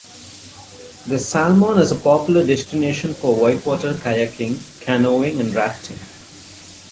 The Salmon is a popular destination for whitewater kayaking, canoeing, and rafting.